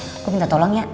eh gue minta tolong ya